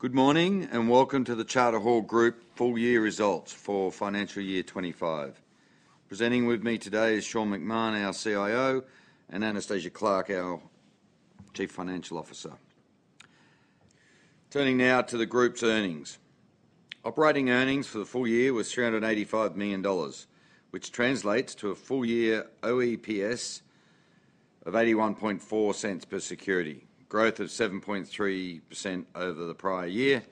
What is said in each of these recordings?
Good morning and welcome to the Charter Hall Group full year results for financial year 2025. Presenting with me today is Sean McMahon, our CIO, and Anastasia Clarke, our Chief Financial Officer. Turning now to the Group's earnings, operating earnings for the full year was $385 million, which translates to a full year OEPS of $0.814 per security, growth of 7.3% over the prior year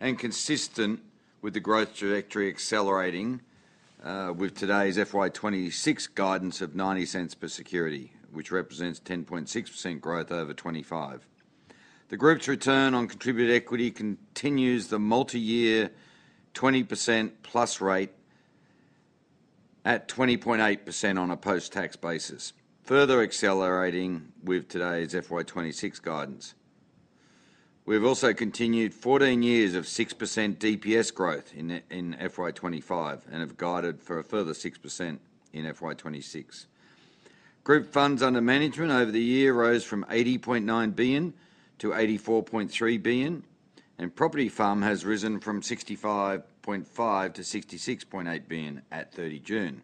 and consistent with the growth trajectory accelerating with today's FY2026 guidance of $0.90 per security, which represents 10.6% growth over 2025. The Group's return on contributed equity continues the multi-year 20% plus rate at 20.8% on a post-tax basis, further accelerating with today's FY2026 guidance. We've also continued 14 years of 6% DPS growth in FY2025 and have guided for a further 6% in FY2026. Group funds under management over the year rose from $80.9 billion-$84.3 billion, and property farm has risen from $65.5 billion-$66.8 billion at 30 June.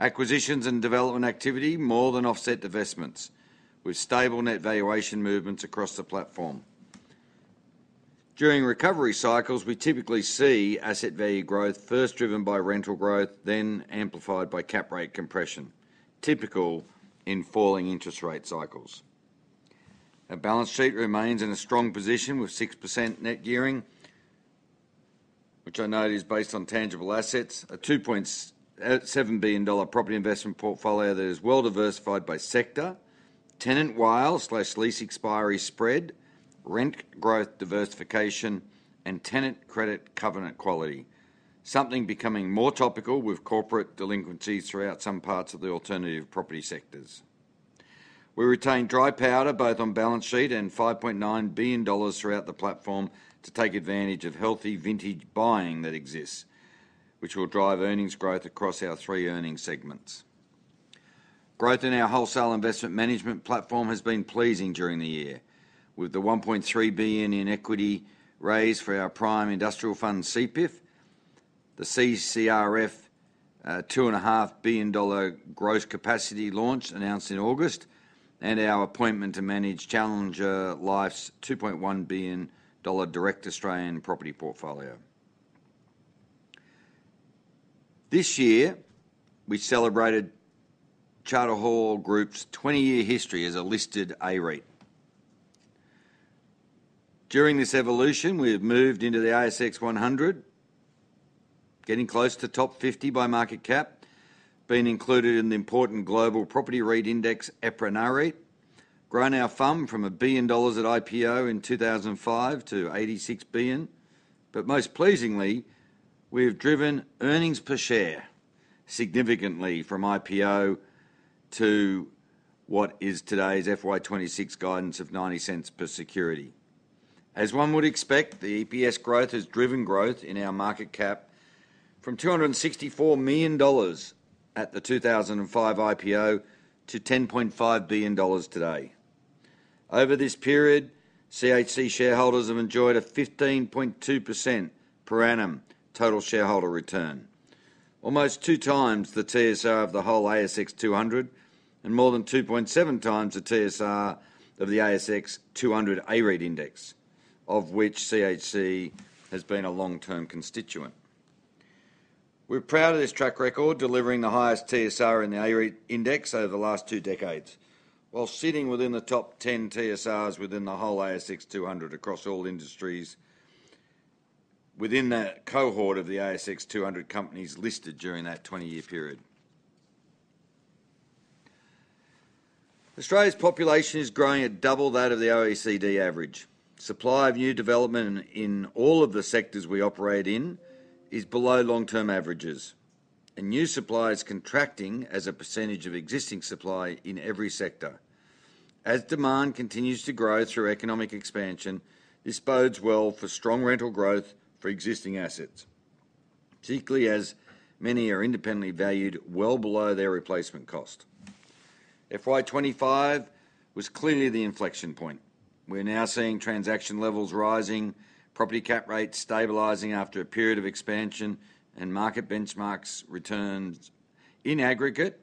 Acquisitions and development activity more than offset divestments with stable net valuation movements across the platform. During recovery cycles, we typically see asset value growth first driven by rental growth, then amplified by cap rate compression typical in falling interest rate cycles. Our balance sheet remains in a strong position with 6% net gearing, which I note is based on tangible assets, a $2.7 billion property investment portfolio that is well diversified by sector, tenant, WALE, rent growth diversification, and tenant credit covenant quality. Something becoming more topical with corporate delinquencies throughout some parts of the alternative property sectors. We retain dry powder both on balance sheet and $5.9 billion throughout the platform to take advantage of healthy vintage buying that will drive earnings growth across our three earnings segments. Growth in our wholesale investment management platform has been pleasing during the year with the $1.3 billion in equity raised for our Prime Industrial Fund CPIF, the CCRF $2.5 billion growth capacity launch announced in August, and our appointment to manage Challenger Life's $2.1 billion direct Australian property portfolio. This year we celebrated Charter Hall Group's 20 year history as a listed AREIT. During this evolution we have moved into the ASX 100, getting close to top 50 by market cap, being included in the important Global Property REIT index. We've grown our funds from a billion dollars at IPO in 2005 to $86 billion but most pleasingly we have driven earnings per share significantly from IPO to what is today's FY 2026 guidance of $0.90 per security. As one would expect, the EPS growth has driven growth in our market cap from $264 million at the 2005 IPO to $10.5 billion today. Over this period CHC shareholders have enjoyed a 15.2% per annum total shareholder return, almost 2 times the TSR of the whole ASX 200 and more than 2.7x the TSR of the ASX 200 AREIT index of which CHC has been a long term constituent. We're proud of this track record, delivering the highest TSR in the AREIT index over the last two decades while sitting within the top 10 TSRs within the whole ASX 200 across all industries within the cohort of the ASX 200 companies listed during that 20 year period. Australia's population is growing at double that of the OECD average. Supply of new development in all of the sectors we operate in is below long term averages and new supply is contracting as a percentage of existing supply in every sector as demand continues to grow through economic expansion. This bodes well for strong rental growth for existing assets, particularly as many are independently valued well below their replacement cost. FY 2025 was clearly the inflection point. We're now seeing transaction levels rising, property cap rates stabilizing after a period of expansion and market benchmarks returns in aggregate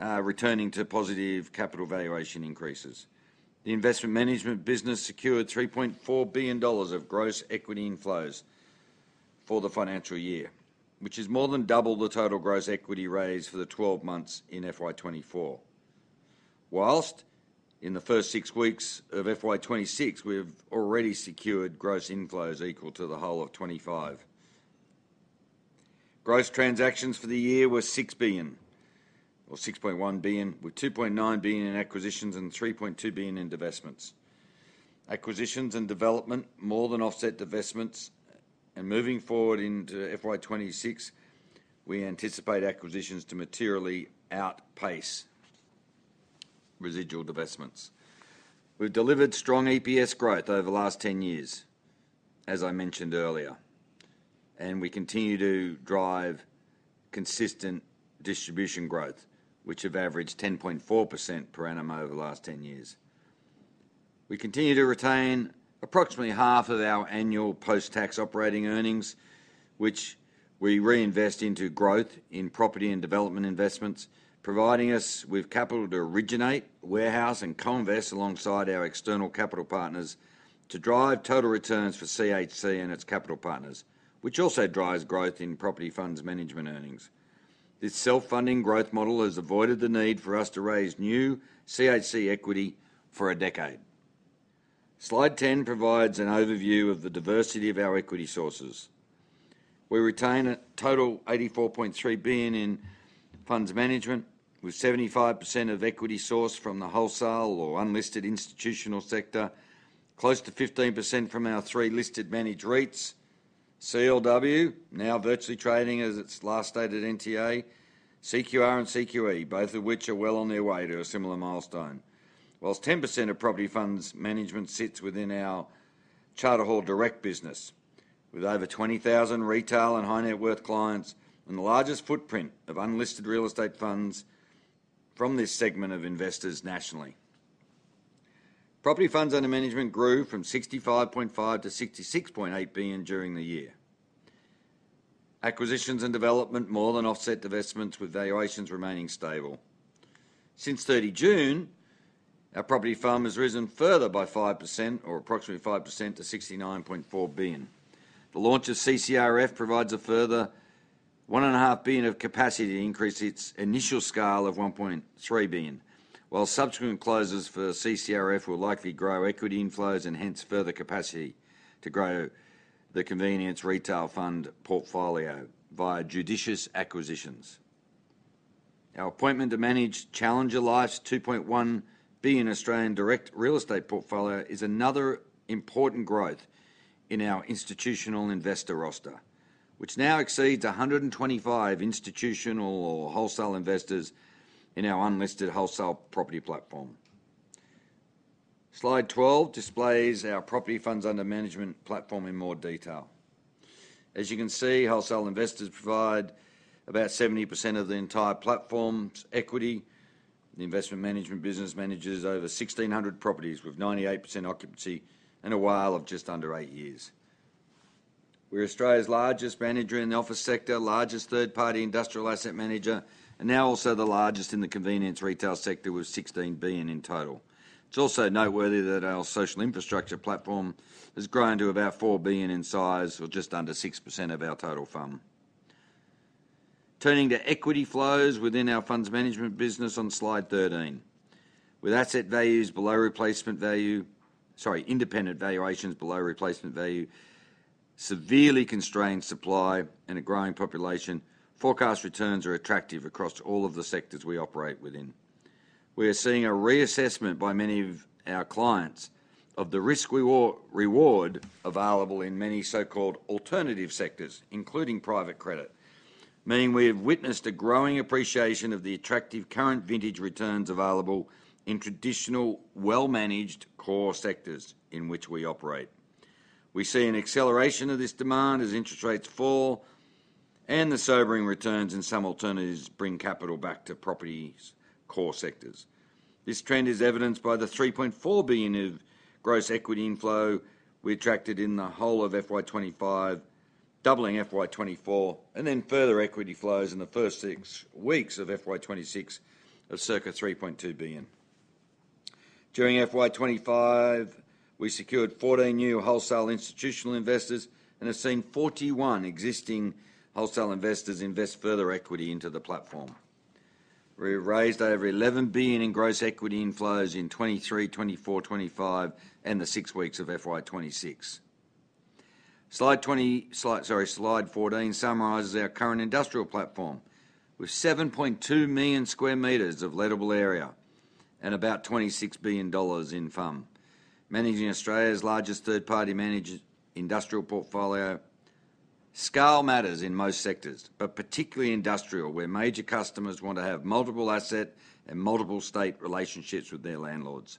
returning to positive capital valuation increases. The investment management business secured $3.4 billion of gross equity inflows for the financial year which is more than double the total gross equity raised for the 12 months in FY 2024 whilst in the first six weeks of FY 2026 we have already secured gross inflows equal to the whole of 2025. Gross transactions for the year were $6 billion or $6.1 billion, with $2.9 billion in acquisitions and $3.2 billion in divestments. Acquisitions and development more than offset divestments and moving forward into FY 2026 we anticipate acquisitions to materially outpace residual divestments. We've delivered strong EPS growth over the last 10 years as I mentioned earlier, and we continue to drive consistent distribution growth which have averaged 10.4% per annum over the last 10 years. We continue to retain approximately half of our annual post-tax operating earnings, which we reinvest into growth in property and development investments, providing us with capital to originate, warehouse, and co-invest alongside our external capital partners to drive total returns for CHC and its capital partners, which also drives growth in property funds management earnings. This self-funding growth model has avoided the need for us to raise new CHC equity for a decade. Slide 10 provides an overview of the diversity of our equity sources. We retain a total $84.3 billion in funds management, with 75% of equity sourced from the wholesale or unlisted institutional sector, close to 15% from our three listed managed REITs. CLW now virtually trading at its last stated NTA, CQR and CQE, both of which are well on their way to a similar milestone. Whilst 10% of property funds management sits within our Charter Hall Direct business, with over 20,000 retail and high net worth clients and the largest footprint of unlisted real estate funds from this segment of investors. Nationally, property funds under management grew from $65.5 billion-$66.8 billion during the year. Acquisitions and development more than offset divestments, with valuations remaining stable. Since 30 June, our property FUM has risen further by approximately 5% to $69.4 billion. The launch of CCRF provides a further $1.5 billion of capacity to increase its initial scale of $1.3 billion, while subsequent closes for CCRF will likely grow equity inflows and hence further capacity to grow the convenience retail fund portfolio via judicious acquisitions. Our appointment to manage Challenger Life's $2.1 billion Australian direct real estate portfolio is another important growth in our institutional investor roster, which now exceeds 125 institutional or wholesale investors in our unlisted wholesale property platform. Slide 12 displays our property funds under management platform in more detail. As you can see, wholesale investors provide about 70% of the entire platform's equity. The investment management business manages over 1,600 properties with 98% occupancy and a WALE of just under eight years. We're Australia's largest manager in the office sector, largest third-party industrial asset manager, and now also the largest in the convenience retail sector with $16 billion in total. It's also noteworthy that our social infrastructure platform has grown to about $4 billion in size, or just under 6% of our total. Turning to equity flows within our funds management business on Slide 13, with asset values below replacement value, sorry, independent valuations below replacement value, severely constrained supply, and a growing population. Forecast returns are attractive across all of the sectors we operate within. We are seeing a reassessment by many of our clients of the risk reward available in many so-called alternative sectors, including private credit, meaning we have witnessed a growing appreciation of the attractive current vintage returns available in traditional well-managed core sectors in which we operate. We see an acceleration of this demand as interest rates fall and the sobering returns in some alternatives bring capital back to property core sectors. This trend is evidenced by the $3.4 billion of gross equity inflow we attracted in the whole of FY25, doubling FY24, and then further equity flows in the first six weeks of FY 2026 of circa $3.2 billion. During FY 2025, we secured 14 new wholesale institutional investors and have seen 41 existing wholesale investors invest further equity into the platform. We raised over $11 billion in gross equity inflows in 2023, 2024, 2025, and the six weeks of FY 2026. Slide 20, slide, sorry, slide 14 summarizes our current industrial platform with 7.2 million square meters of lettable area and about $26 billion in funds under management, Australia's largest third-party managed industrial portfolio. Scale matters in most sectors, but particularly industrial, where major customers want to have multiple asset and multiple state relationships with their landlords.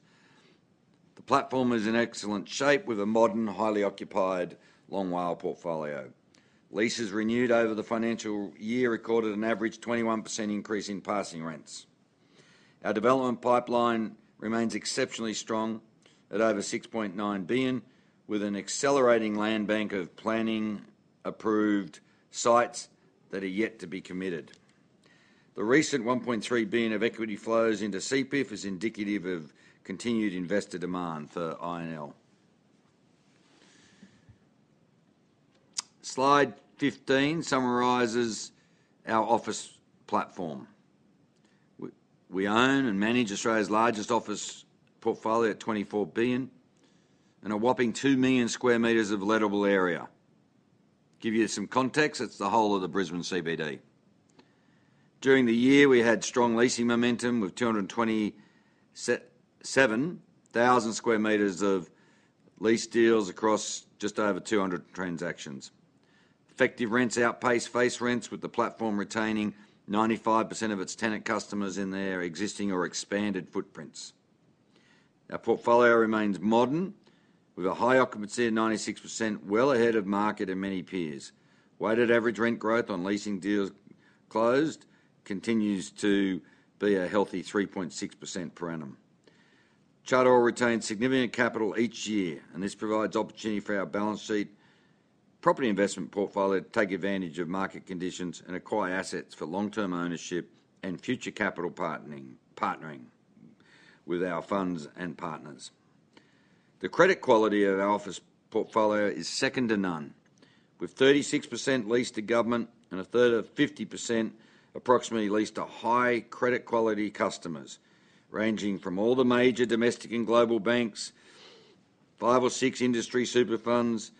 The platform is in excellent shape with a modern, highly occupied, long WALE portfolio. Leases renewed over the financial year recorded an average 21% increase in passing rents. Our development pipeline remains exceptionally strong at over $6.9 billion, with an accelerating land bank of planning-approved sites that are yet to be committed. The recent $1.3 billion of equity flows into CPIF is indicative of continued investor demand for, slide 15 summarizes our office platform. We own and manage Australia's largest office portfolio at $24 billion and a whopping 2 million square meters of lettable area. To give you some context, that's the whole of the Brisbane CBD. During the year, we had strong leasing momentum with 227,000 square meters of lease deals across just over 200 transactions. Effective rents outpace face rents with the platform retaining 95% of its tenant customers in their existing or expanded footprints. Our portfolio remains modern with a high occupancy of 96%, well ahead of market and many peers. Weighted average rent growth on leasing deals closed continues to be a healthy 3.6% per annum. Charter Hall will retain significant capital each year and this provides opportunity for our balance sheet property investment portfolio to take advantage of market conditions and acquire assets for long term ownership and future capital. Partnering with our funds and partners, the credit quality of our office portfolio is second to none with 36% leased to government and a third of 50% approximately leased to high credit quality customers ranging from all the major domestic and global banks, five or six industry super funds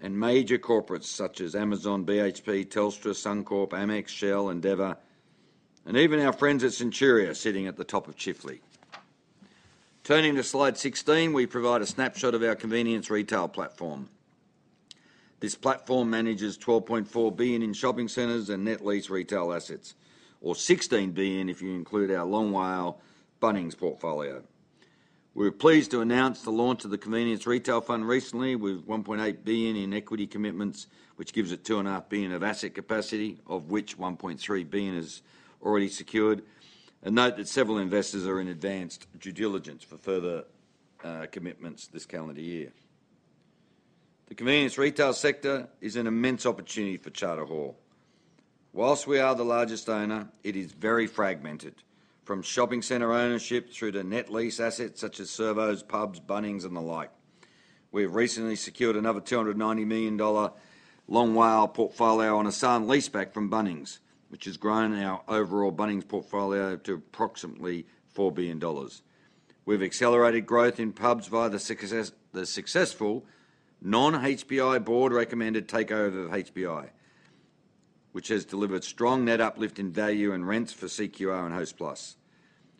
and major corporates such as Amazon, BHP, Telstra, Suncorp, Amex, Shell, Endeavour and even our friends at Centuria. Sitting at the top of Chifley, turning to slide 16, we provide a snapshot of our convenience retail platform. This platform manages $12.4 billion in shopping centers and net lease retail assets or $16 billion if you include our long WALE fundings portfolio. We're pleased to announce the launch of the Charter Hall Convenience Retail Fund recently with $1.8 billion in equity commitments which gives it $2.5 billion of asset capacity of which $1.3 billion is already secured and note that several investors are in advanced due diligence for further commitments this calendar year. The convenience retail sector is an immense opportunity for Charter Hall. Whilst we are the largest owner, it is very fragmented from shopping center ownership through to net lease assets such as servos, pubs, Bunnings and the like. We have recently secured another $290 million long WALE portfolio on a sale and leaseback from Bunnings which has grown our overall Bunnings portfolio to approximately $4 billion. We've accelerated growth in pubs via the successful non-HPI board recommended takeover of Hotel Property Investments which has delivered strong net uplift in value and rents for Charter Hall Retail REIT and Hostplus.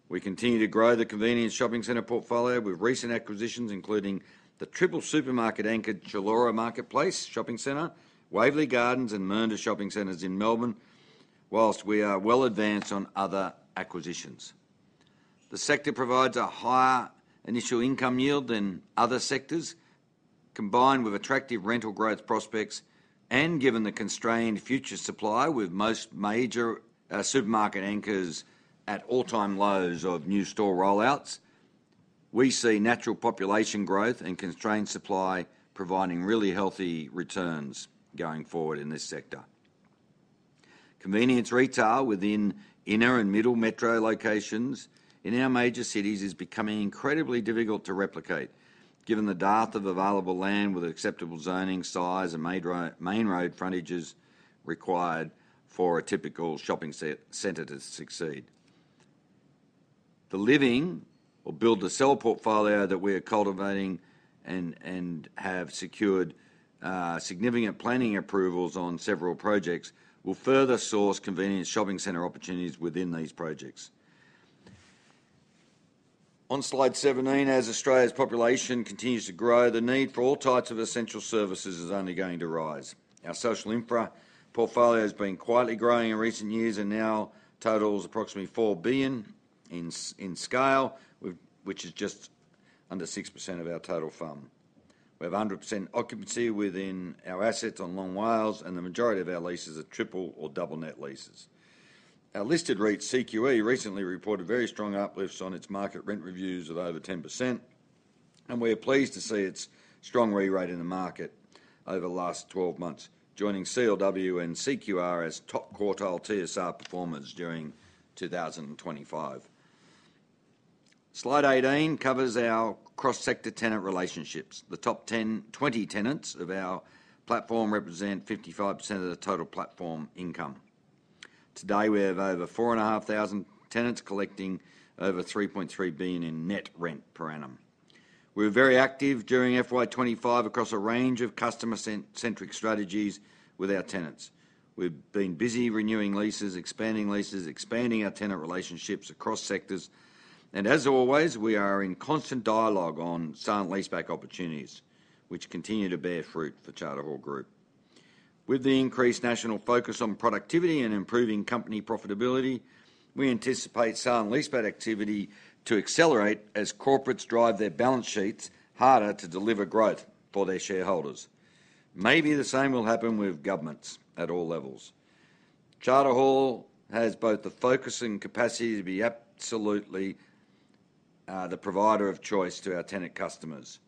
We continue to grow the convenience shopping center portfolio with recent acquisitions including the triple supermarket anchored Chiloro Marketplace Shopping Centre, Waverley Gardens and Mernda Shopping Centres in Melbourne. Whilst we are well advanced on other acquisitions, the sector provides a higher initial income yield than other sectors combined with attractive rental growth prospects, and given the constrained future supply with most major supermarket anchors at all-time lows of new store rollouts, we see natural population growth and constrained supply providing really healthy returns going forward in this sector. Convenience retail within inner and middle metro locations in our major cities is becoming incredibly difficult to replicate given the depth of available land with acceptable zoning size and main road frontages required for a typical shopping center to succeed. The living or build to sell portfolio that we are cultivating and have secured significant planning approvals on several projects will further source convenience shopping center opportunities within these projects on slide 17. As Australia's population continues to grow, the need for all types of essential services is only going to rise. Our social infra portfolio has been quietly growing in recent years and now totals approximately $4 billion in scale, which is just under 6% of our total fund. We have 100% occupancy within our assets on long WALEs, and the majority of our leases are triple or double net leases. Our listed REIT CQE recently reported very strong uplifts on its market rent reviews of over 10%, and we are pleased to see its strong RE rate in the market over the last 12 months, joining CLW and CQR as top quartile TSR performers during 2025. Slide 18 covers our cross-sector tenant relationships. The top 20 tenants of our platform represent 55% of the total platform income. Today we have over 4,500 tenants collecting over $3.3 billion in net rent per annum. We were very active during FY25 across a range of customer-centric strategies with our tenants. We've been busy renewing leases, expanding leases, expanding our tenant relationships across sectors, and as always, we are in constant dialogue on sale and leaseback opportunities which continue to bear fruit for Charter Hall Group. With the increased national focus on productivity and improving company profitability, we anticipate sale and leaseback activity to accelerate as corporates drive their balance sheets harder to deliver growth for their shareholders. Maybe the same will happen with governments at all levels. Charter Hall has both the focus and capacity to be absolutely the provider of choice to our tenant customers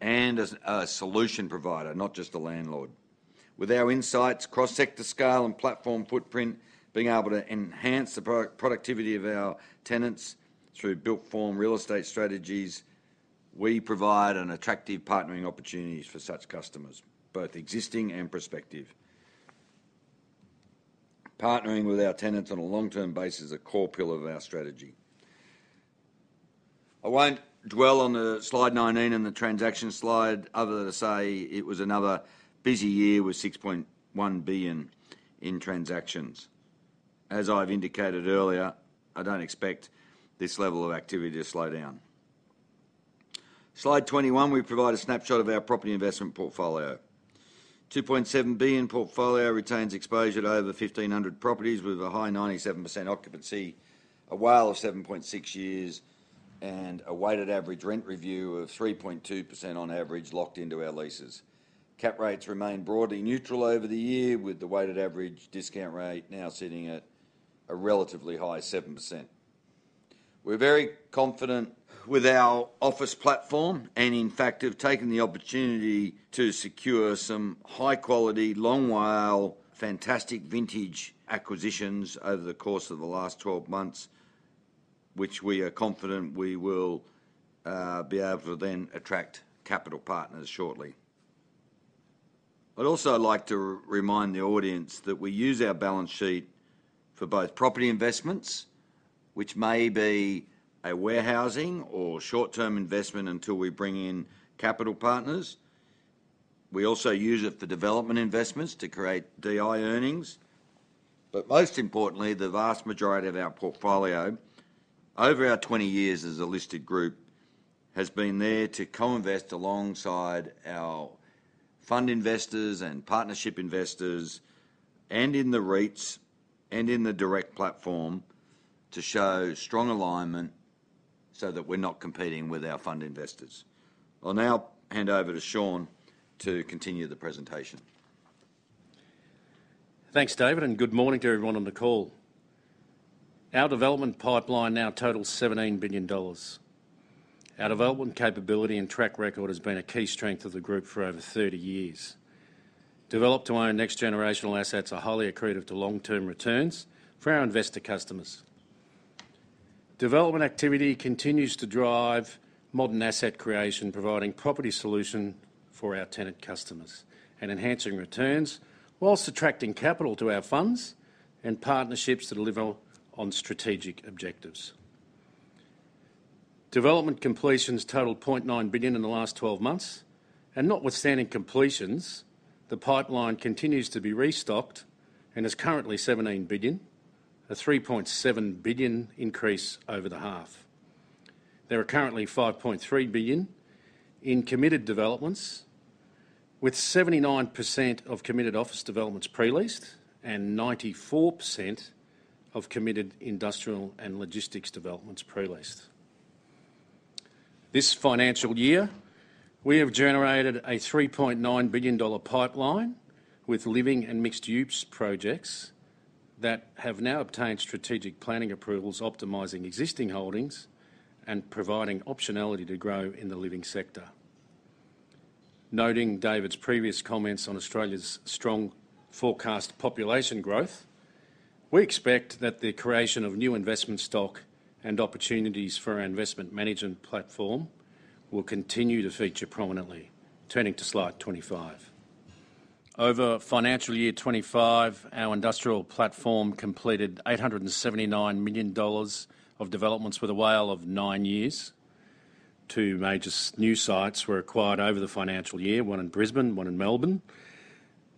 and as a solution provider, not just a landlord. With our insights, cross sector scale, and platform footprint, being able to enhance the productivity of our tenants through built form real estate strategies, we provide an attractive partnering opportunity for such customers, both existing and prospective. Partnering with our tenants on a long term basis is a core pillar of our strategy. I won't dwell on slide 19 in the transaction slide other than to say it was another busy year with $6.1 billion in transactions. As I've indicated earlier, I don't expect this level of activity to slow down. On slide 21, we provide a snapshot of our property investment portfolio. Our $2.7 billion portfolio retains exposure to over 1,500 properties with a high 97% occupancy, a WALE of 7.6 years, and a weighted average rent review of 3.2% on average locked into our leases. Cap rates remain broadly neutral over the year, with the weighted average discount rate now sitting at a relatively high 7%. We're very confident with our office platform and in fact have taken the opportunity to secure some high quality long WALE, fantastic vintage acquisitions over the course of the last 12 months, which we are confident we will be able to then attract capital partners for shortly. I'd also like to remind the audience that we use our balance sheet for both property investments, which may be a warehousing or short term investment until we bring in capital partners. We also use it for development investments to create DI earnings. Most importantly, the vast majority of our portfolio over our 20 years as a listed group has been there to co-invest alongside our fund investors and partnership investors and in the REITs and in the direct platform to show strong alignment so that we're not competing with our fund investors. I'll now hand over to Sean to continue the presentation. Thanks David and good morning to everyone on the call. Our development pipeline now totals $17 billion. Our development capability and track record has been a key strength of the group for over 30 years. Developed to own next generational assets are highly accretive to long term returns for our investor customers. Development activity continues to drive modern asset creation, providing property solutions for our tenant customers and enhancing returns whilst attracting capital to our funds and partnerships that deliver on strategic objectives. Development completions totaled $0.9 billion in the last 12 months, and notwithstanding completions, the pipeline continues to be restocked and is currently $17 billion, a $3.7 billion increase over the half. There are currently $5.3 billion in committed developments with 79% of committed office developments pre-leased and 94% of committed industrial and logistics developments pre-leased. This financial year we have generated a $3.9 billion pipeline with living and mixed use projects that have now obtained strategic planning approvals, optimizing existing holdings and providing optionality to grow in the living sector. Noting David's previous comments on Australia's strong forecast population growth, we expect that the creation of new investment stock and opportunities for our investment management platform will continue to feature prominently. Turning to slide 25, over financial year 2025 our industrial platform completed $879 million of developments with a WALE of nine years. Two major new sites were acquired over the financial year, one in Brisbane, one in Melbourne.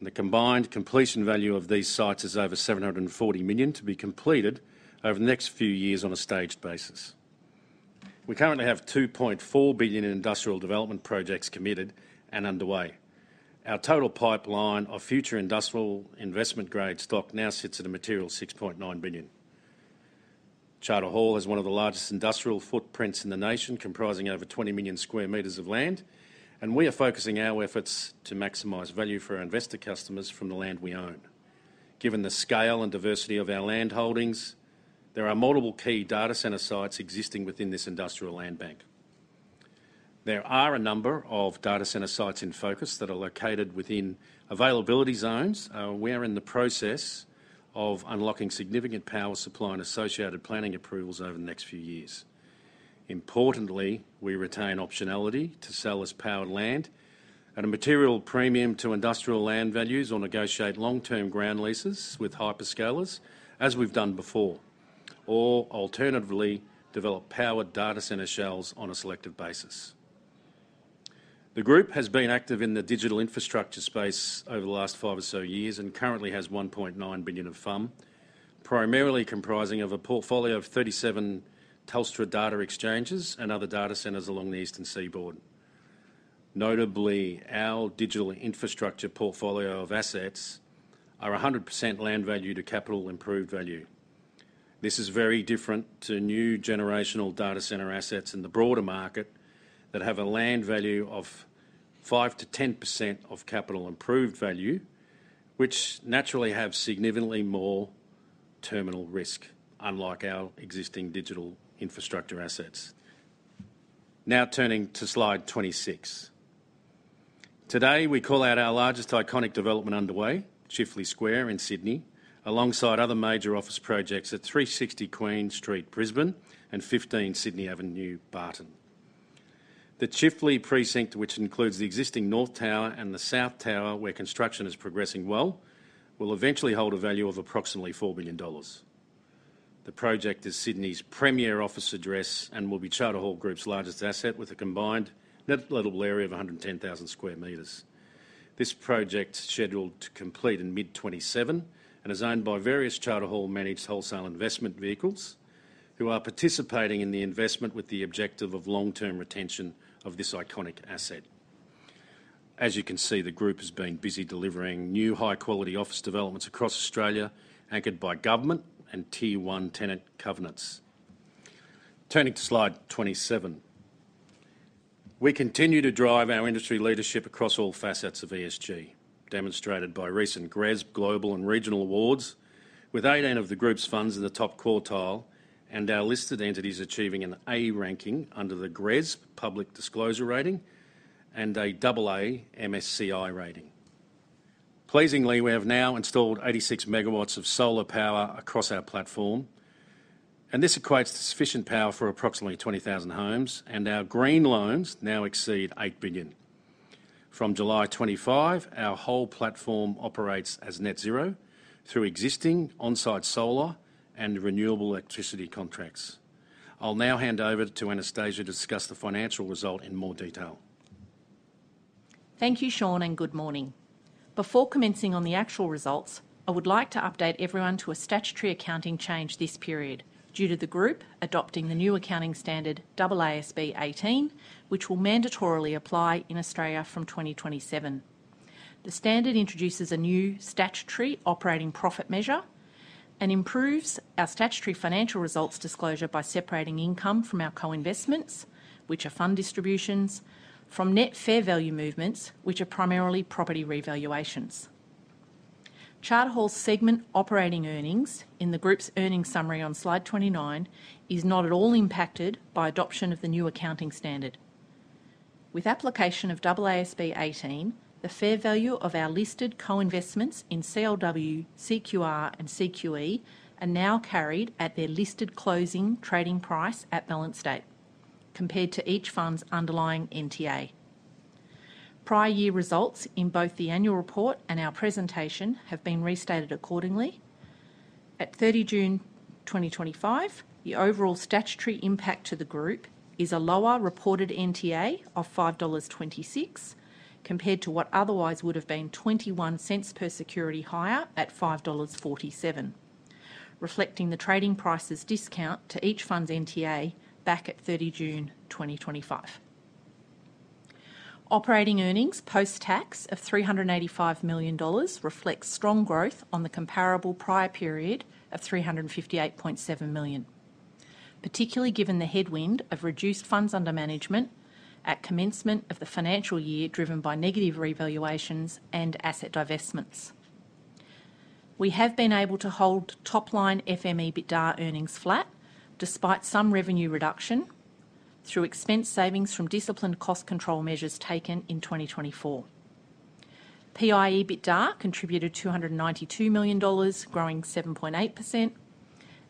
The combined completion value of these sites is over $740 million to be completed over the next few years on a staged basis. We currently have $2.4 billion industrial development projects committed and underway. Our total pipeline of future industrial investment grade stock now sits at a material $6.9 billion. Charter Hall has one of the largest industrial footprints in the nation, comprising over 20 million square meters of land, and we are focusing our efforts to maximize value for our investor customers from the land we own. Given the scale and diversity of our land holdings, there are multiple key data centre sites existing within this industrial land bank. There are a number of data centre sites in focus that are located within availability zones. We are in the process of unlocking significant power supply and associated planning approvals over the next few years. Importantly, we retain optionality to sell as powered land at a material premium to industrial land values or negotiate long-term ground leases with hyperscalers as we've done before, or alternatively develop powered data centre shells on a selective basis. The Group has been active in the digital infrastructure space over the last five or so years and currently has $1.9 billion of funding, primarily comprising a portfolio of 37 Telstra data exchanges and other data centres along the Eastern Seaboard. Notably, our digital infrastructure portfolio of assets are 100% land value to capital improved value. This is very different to new generational data centre assets in the broader market that have a land value of 5%-10% of capital improved value, which naturally have significantly more terminal risk unlike our existing digital infrastructure assets. Now turning to slide 26, today we call out our largest iconic development underway, Chifley Square in Sydney, alongside other major office projects at 360 Queen Street Brisbane and 15 Sydney Avenue Barton. The Chifley Precinct, which includes the existing North Tower and the South Tower where construction is progressing well, will eventually hold a value of approximately $4 billion. The project is Sydney's premier office address and will be Charter Hall Group's largest asset with a combined nettable area of 110,000 square metres. This project is scheduled to complete in mid-2027 and is owned by various Charter Hall managed wholesale investment vehicles who are participating in the investment with the objective of long-term retention of this iconic asset. As you can see, the Group has been busy delivering new high-quality office developments across Australia anchored by government and tier one tenant covenants. Turning to slide 27, we continue to drive our industry leadership across all facets of ESG, demonstrated by recent GRESB global and regional awards with 18 of the Group's funds in the top quartile and our listed entities achieving an A ranking under the GRESB Public Disclosure Rating and a AA MSCI rating. Pleasingly, we have now installed 86 megawatts of solar power across our platform and this equates to sufficient power for approximately 20,000 homes, and our green loans now exceed $8 billion from July 25. Our whole platform operates as net zero through existing on-site solar and renewable electricity contracts. I'll now hand over to Anastasia Clarke to discuss the financial result in more detail. Thank you, Sean, and good morning. Before commencing on the actual results, I would like to update everyone to a statutory accounting change this period due to the Group adopting the new accounting standard AASB 18, which will mandatorily apply in Australia from 2027. The standard introduces a new statutory operating profit measure and improves our statutory financial results disclosure by separating income from our co-investments, which are fund distributions, from net fair value movements, which are primarily property revaluations. Charter Hall's segment operating earnings in the Group's earnings summary on Slide 29 is not at all impacted by adoption of the new accounting standard. With application of AASB 18, the fair value of our listed co-investments in CLW, CQR, and CQE are now carried at their listed closing trading price at balance date compared to each fund's underlying NTA prior year. Results in both the annual report and our presentation have been restated accordingly at 30 June 2025. The overall statutory impact to the Group is a lower reported NTA of $5.26 compared to what otherwise would have been $0.21 per security higher at $5.47, reflecting the trading prices discount to each fund's NTA back at 30 June 2025. Operating earnings post tax of $385 million reflects strong growth on the comparable prior period of $358.7 million, particularly given the headwind of reduced funds under management at commencement of the financial year driven by negative revaluations and asset divestments. We have been able to hold top line FMEDA earnings flat despite some revenue reduction through expense savings from disciplined cost control measures taken in 2024. PI EBITDA contributed $292 million, growing 7.8%,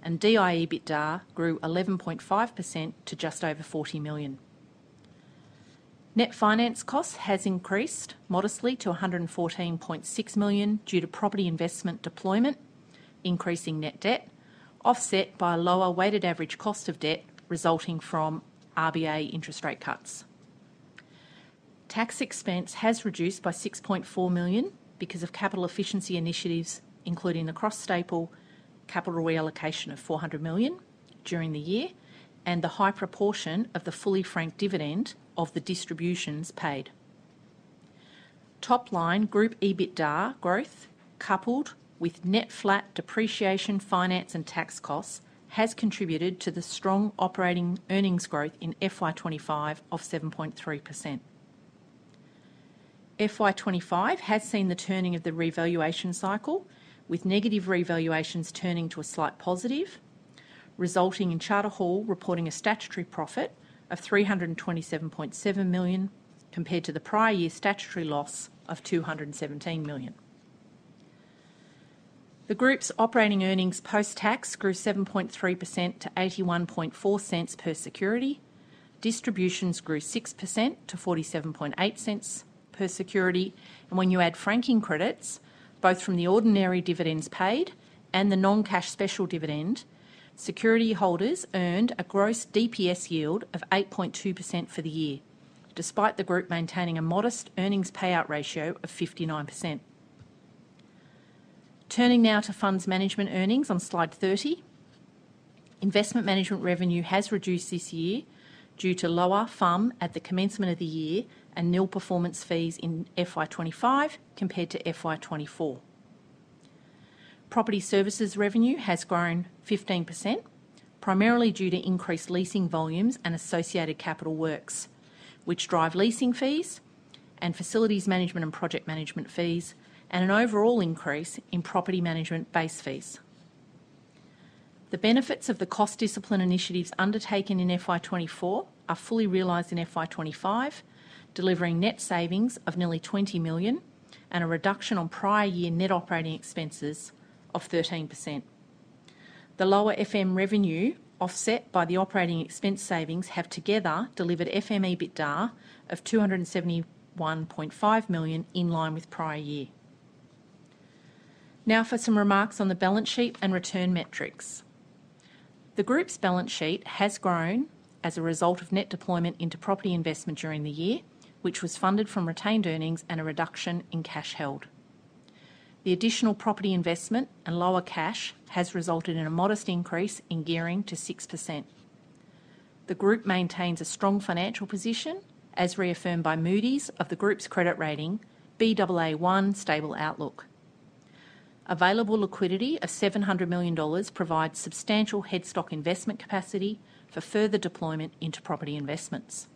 and DIE EBITDAR grew 11.5% to just over $40 million. Net finance cost has increased modestly to $114.6 million due to property investment deployment increasing net debt, offset by a lower weighted average cost of debt resulting from RBA interest rate cuts. Tax expense has reduced by $6.4 million because of capital efficiency initiatives, including the cross staple capital reallocation of $400 million during the year and the high proportion of the fully franked dividend of the distributions paid. Top line Group EBITDA growth coupled with net flat depreciation, finance, and tax costs has contributed to the strong operating earnings growth in FY 2025 of 7.3%. FY 2025 has seen the turning of the revaluation cycle with negative revaluations turning to a slight positive, resulting in Charter Hall reporting a statutory profit of $327.7 million compared to the prior year statutory loss of $217 million. The Group's operating earnings post tax grew 7.3% to $0.814 per security, distributions grew 6% to $0.478 per security, and when you add franking credits both from the ordinary dividends paid and the non-cash special dividend, security holders earned a gross DPS yield of 8.2% for the year despite the Group maintaining a modest earnings payout ratio of 59%. Turning now to funds management earnings on slide 30, investment management revenue has reduced this year due to lower funds under management at the commencement of the year and nil performance fees in FY 2025 compared to FY 2024. Property services revenue has grown 15% primarily due to increased leasing volumes and associated capital works, which drive leasing fees and facilities management and project management fees, and an overall increase in property management base fees. The benefits of the cost discipline initiatives undertaken in FY 2024 are fully realized in FY 2025, delivering net savings of nearly $20 million and a reduction on prior year net operating expenses of 13%. The lower funds management revenue offset by the operating expense savings have together delivered funds management earnings EBITDA of $271.5 million in line with prior year. Now for some remarks on the balance sheet and return metrics. The Group's balance sheet has grown as a result of net deployment into property investment during the year, which was funded from retained earnings and a reduction in cash held. The additional property investment and lower cash has resulted in a modest increase in gearing to 6%. The Group maintains a strong financial position as reaffirmed by Moody's of the Group's credit rating Baa1 stable outlook. Available liquidity of $700 million provides substantial headstock investment capacity for further deployment into property investments.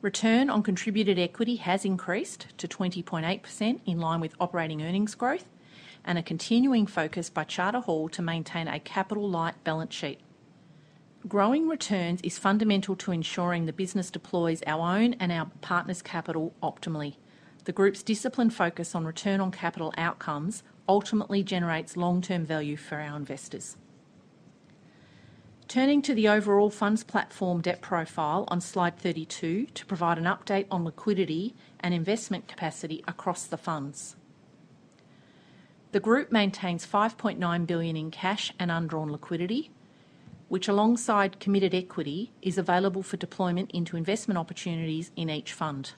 Return on contributed equity has increased to 20.8% in line with operating earnings growth and a continuing focus by Charter Hall to maintain a capital light balance sheet. Growing returns is fundamental to ensuring the business deploys our own and our partners' capital optimally. The Group's disciplined focus on return on capital outcomes ultimately generates long term value for our investors. Turning to the overall funds platform debt profile on slide 32 to provide an update on liquidity and investment capacity across the funds, the Group maintains $5.9 billion in cash and undrawn liquidity, which alongside committed equity is available for deployment into investment opportunities in each fund.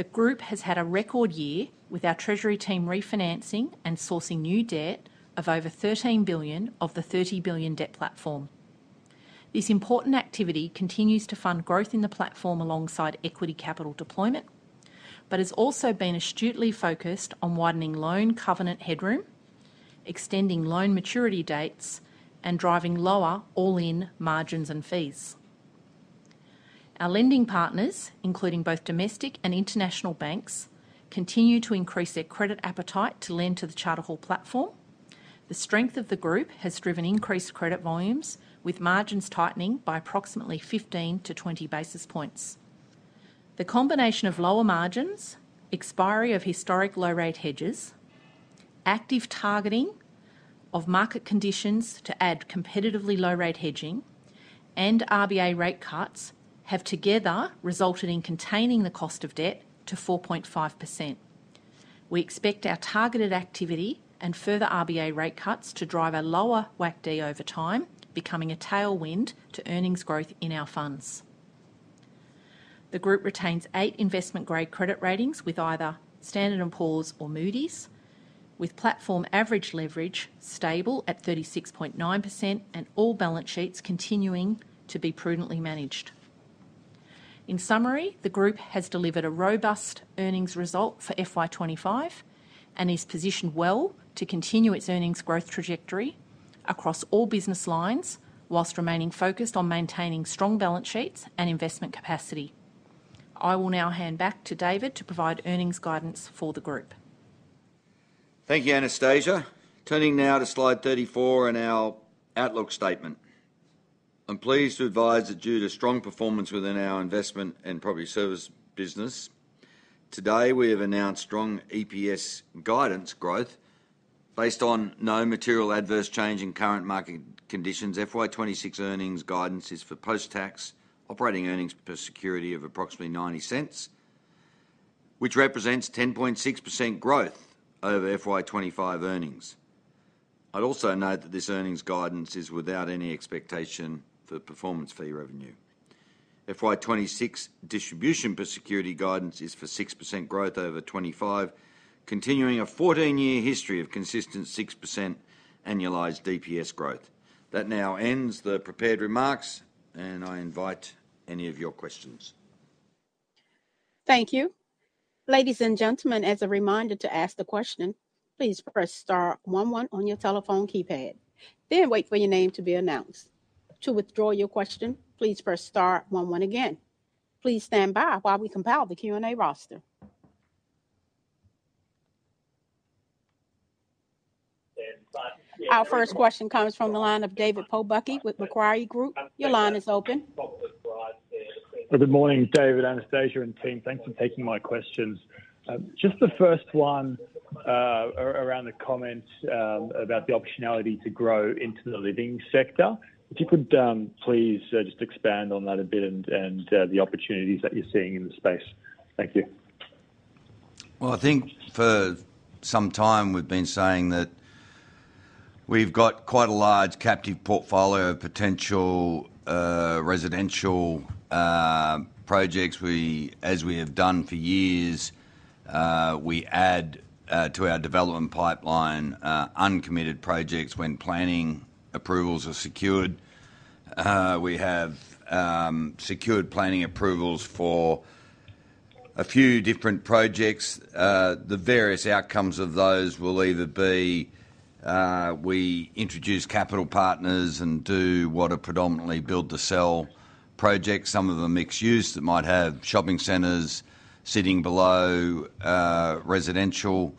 The Group has had a record year with our treasury team refinancing and sourcing new debt of over $13 billion of the $30 billion debt platform. This important activity continues to fund growth in the platform alongside equity capital deployment, and has also been astutely focused on widening loan covenant headroom, extending loan maturity dates, and driving lower all-in margins and fees. Our lending partners, including both domestic and international banks, continue to increase their credit appetite to lend to the Charter Hall platform. The strength of the Group has driven increased credit volumes with margins tightening by approximately 15-20 basis points. The combination of lower margins, expiry of historic low rate hedges, active targeting of market conditions to add competitively low rate hedging, and RBA rate cuts have together resulted in containing the cost of debt to 4.5%. We expect our targeted activity and further RBA rate cuts to drive a lower WACD over time, becoming a tailwind to earnings growth in our funds. The Group retains eight investment grade credit ratings with either Standard and Poor's or Moody's, with platform average leverage stable at 36.9% and all balance sheets continuing to be prudently managed. In summary, the Group has delivered a robust earnings result for FY 2025 and is positioned well to continue its earnings growth trajectory across all business lines whilst remaining focused on maintaining strong balance sheets and investment capacity. I will now hand back to David to provide earnings guidance for the Group. Thank you, Anastasia. Turning now to Slide 34 and our outlook statement. I'm pleased to advise that due to strong performance within our investment and property service business, today we have announced strong EPS guidance growth based on no material adverse change in current market conditions. FY 2026 earnings guidance is for post-tax operating earnings per security of approximately $0.90, which represents 10.6% growth over FY 2025 earnings. I'd also note that this earnings guidance is without any expectation for performance fee revenue. FY 2026 distribution per security guidance is for 6% growth over 2025, continuing a 14-year history of consistent 6% annualized DPS growth. That now ends the prepared remarks and I invite any of your questions. Thank you. Ladies and gentlemen, as a reminder to ask the question, please press star one one on your telephone keypad, then wait for your name to be announced. To withdraw your question, please press star one one again. Please stand by while we compile the Q and A roster. Our first question comes from the line of David Pobucky with Macquarie Group. Your line is open. Good morning David, Anastasia, and team. Thanks for taking my questions. Just the first one around the comments about the optionality to grow into the living sector. If you could please just expand on that a bit and the opportunities that you're seeing in the space. Thank you. I think for some time we've been saying that we've got quite a large captive portfolio of potential residential projects. As we have done for years, we add to our development pipeline uncommitted projects when planning approvals are secured. We have secured planning approvals for a few different projects. The various outcomes of those will either be we introduce capital partners and do what are predominantly build to sell projects, some of them mixed use that might have shopping centers sitting below residential.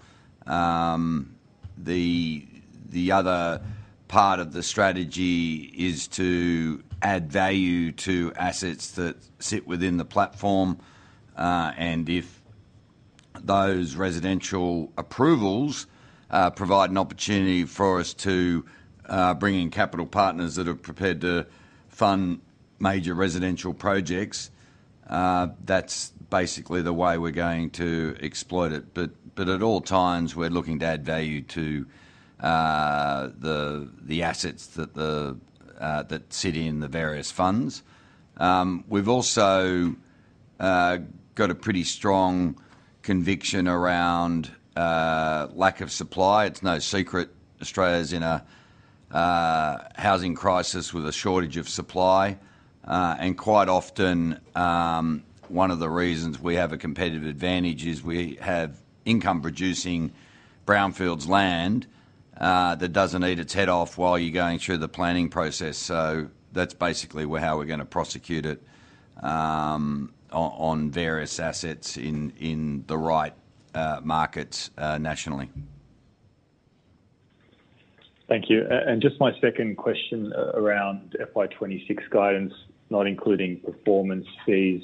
The other part of the strategy is to add value to assets that sit within the platform. If those residential approvals provide an opportunity for us to bring in capital partners that are prepared to fund major residential projects, that's basically the way we're going to exploit it. At all times we're looking to add value to the assets that sit in the various funds. We've also got a pretty strong conviction around lack of supply. It's no secret Australia's in a housing crisis with a shortage of supply. Quite often one of the reasons we have a competitive advantage is we have income producing brownfields land that doesn't need its head off while you're going through the planning process. That's basically how we're going to prosecute it on various assets in the right markets nationally. Thank you. Just my second question around FY 2026 guidance not including performance fees.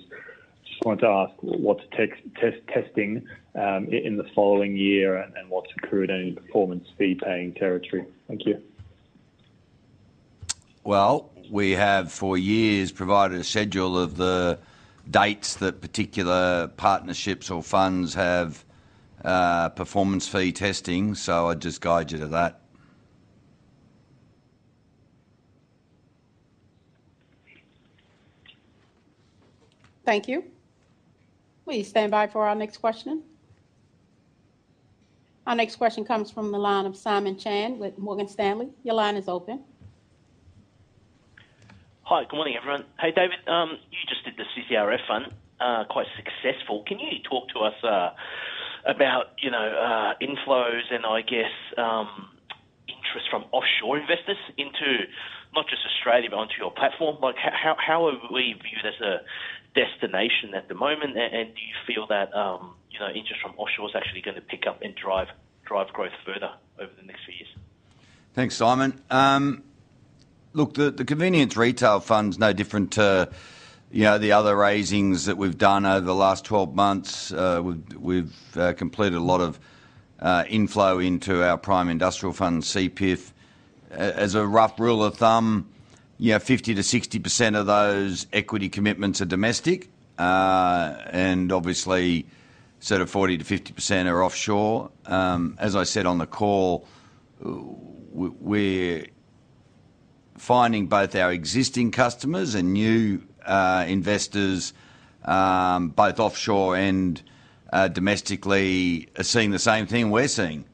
I want to ask what's testing in the following year and what's accrued and performance fee paying territory. Thank you. We have for years provided a schedule of the dates that particular partnerships or funds have performance fee testing. I'd just guide you to that. Thank you. Please stand by for our next question. Our next question comes from the line of Simon Chan with Morgan Stanley. Your line is open. Hi, good morning everyone. Hey David, you just did the CCRF fund quite successful. Can you talk to us about, you know, inflows and I guess interest from offshore investors into not just Australia but onto your platform? Like how are we viewed as a destination at the moment, and do you feel that, you know, interest from offshore is actually going to pick up and drive growth further over the next few years? Thanks, Simon. Look, the Charter Hall Convenience Retail Fund's no different to the other raisings that we've done over the last 12 months. We've completed a lot of inflow into our Charter Hall Prime Industrial Fund, CPIF. As a rough rule of thumb, 50%-60% of those equity commitments are domestic and obviously sort of 40%-50% are offshore. As I said on the call, we're finding both our existing customers and new investors, both offshore and domestically, are seeing the same thing. We're seeing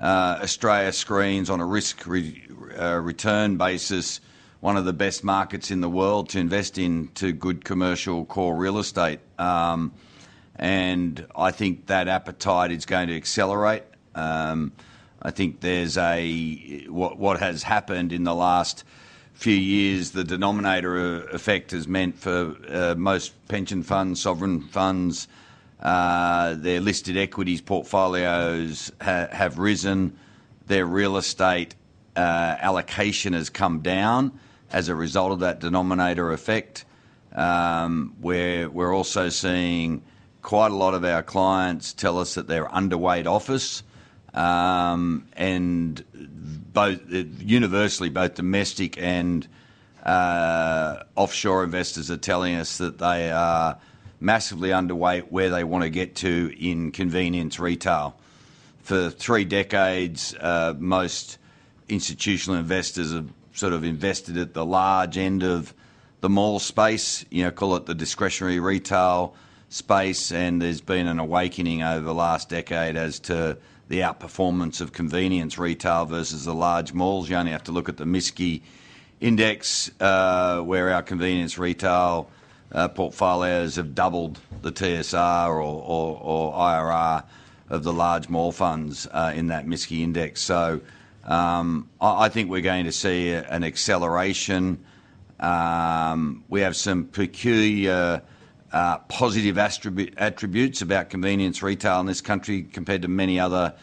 Australia screens on a risk return basis as one of the best markets in the world to invest in to good commercial core real estate. I think that appetite is going to accelerate. What has happened in the last few years, the denominator effect has meant for most pension funds, sovereign funds, their listed equities portfolios have risen, their real estate allocation has come down as a result of that denominator effect. We're also seeing quite a lot of our clients tell us that they're underweight office and universally, both domestic and offshore investors are telling us that they are massively underweight where they want to get to in convenience retail. For three decades, most institutional investors are sort of invested at the large end of the mall space, you know, call it the discretionary retail space. There's been an awakening over the last decade as to the outperformance of convenience retail versus the large malls. You only have to look at the MSCI index where our convenience retail portfolios have doubled the TSR or IRR of the large mall funds in that MSCI index. I think we're going to see an acceleration. We have some peculiar positive attributes about convenience retail in this country compared to many other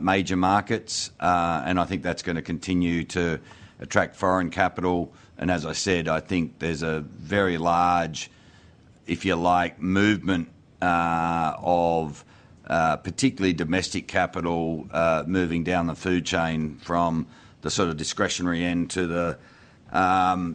major markets. I think that's going to continue to attract foreign capital. As I said, I think there's a very large, if you like, movement of particularly domestic capital moving down the food chain from the sort of discretionary end to what I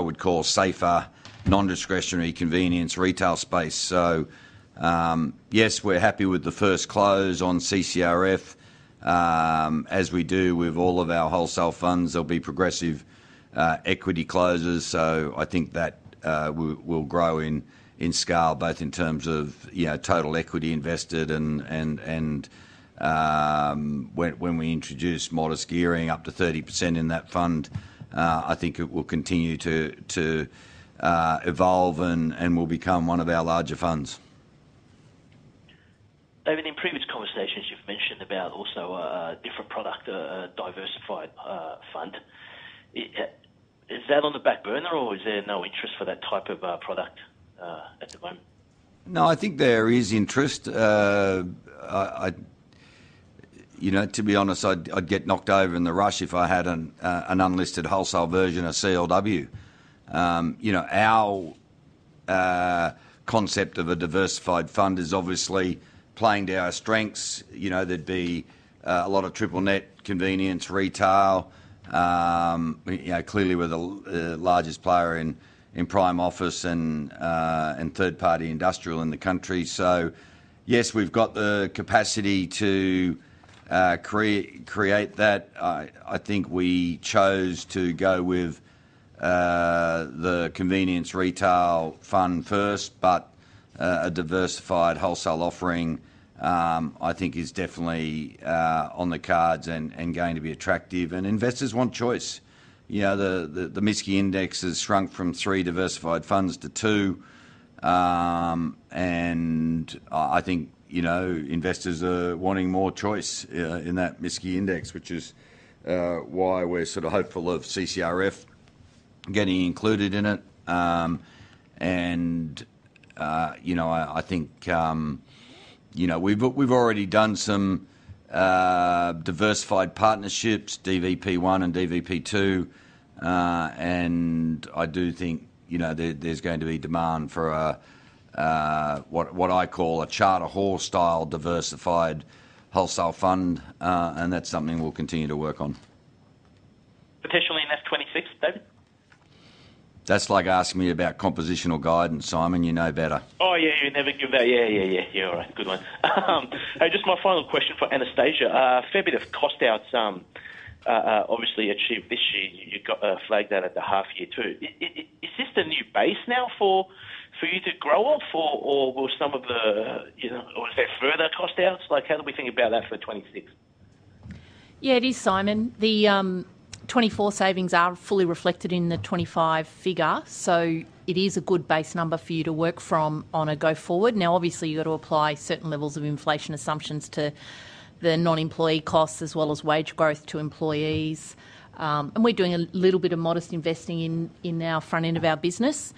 would call safer, non-discretionary convenience retail space. Yes, we're happy with the first close on CCRF as we do with all of our wholesale funds. There'll be progressive equity closes. I think that will grow in scale both in terms of total equity invested and when we introduce modest gearing up to 30% in that fund, I think it will continue to evolve and will become one of our larger funds. David, in previous conversations you've mentioned about also different product diversified funds. Is that on the back burner, or is there no interest for that type of product at the moment? No, I think there is interest. To be honest, I'd get knocked over in the rush if I had an unlisted wholesale version of CLW. Our concept of a diversified fund is obviously playing to our strengths. There'd be a lot of triple net convenience retail. Clearly, we're the largest player in prime office and third party industrial in the country. Yes, we've got the capacity to create that. I think we chose to go with the Convenience Retail Fund first. A diversified wholesale offering is definitely on the cards and going to be attractive. Investors want choice. The MSCI index has shrunk from three diversified funds to two. I think investors are wanting more choice in that MSCI index, which is why we're sort of hopeful of CCRF getting included in it. We've already done some diversified partnerships, DVP1 and DVP2, and I do think there's going to be demand for what I call a Charter Hall style diversified wholesale fund. That's something we'll continue to work on. Potentially in FY 2026 David? that's like asking me about compositional guidance. Simon, you know better. Yeah, good one. Hey, just my final question for Anastasia. A fair bit of cost outs obviously achieved this year. You got flagged out at the half year too. Is this the new base now for you to grow off or is there further cost outs, like how do we think about that for 2020? Yeah, it is, Simon. The 2024 savings are fully reflected in the 2025 figure. It is a good base number for you to work from on a go forward. Obviously, you've got to apply certain levels of inflation assumptions to the non-employee costs as well as wage growth to employees. We're doing a little bit of modest investing in our front end of our business.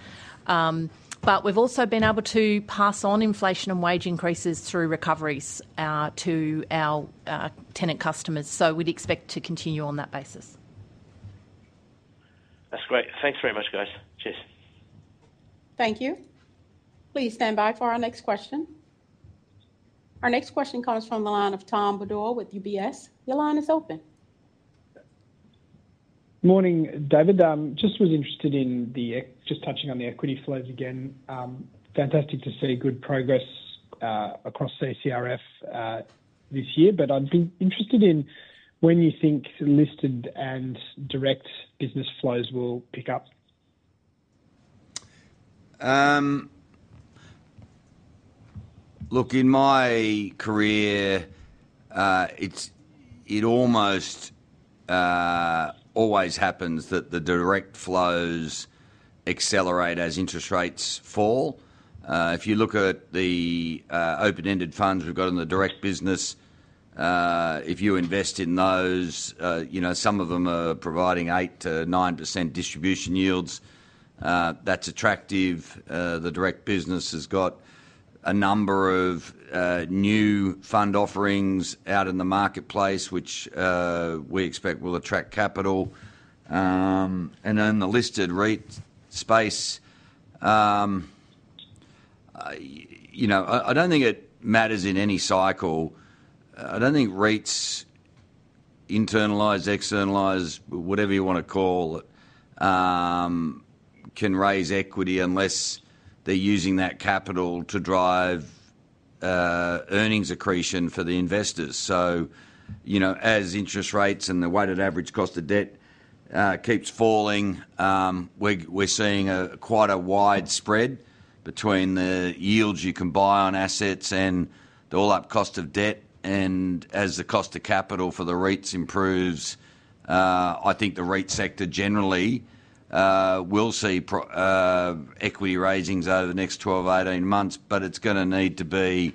We've also been able to pass on inflation and wage increases through recoveries to our tenant customers. We'd expect to continue on that basis. That's great. Thanks very much, guys. Cheers. Thank you. Please stand by for our next question. Our next question comes from the line of Tom Bodor with UBS. Your line is open. Morning, David. Just was interested in the, just touching on the equity flows again. Fantastic to see good progress across the CCRF this year. I'd be interested in when you think listed and direct business flows will pick up. Look, in my career it almost always happens that the direct flows accelerate as interest rates fall. If you look at the open ended funds we've got in the direct business, if you invest in those, you know, some of them are providing 8%-9% distribution yields. That's attractive. The direct business has got a number of new fund offerings out in the marketplace which we expect will attract capital and then the listed REIT space. I don't think it matters in any cycle. I don't think REITs internalized, externalized, whatever you want to call it, can raise equity unless they're using that capital to drive earnings accretion for the investors. As interest rates and the weighted average cost of debt keeps falling, we're seeing quite a wide spread between the yields you can buy on assets and the all up cost of debt. As the cost of capital for the REITs improves, I think the REIT sector generally will see equity raisings over the next 12 to 18 months, but it's going to need to be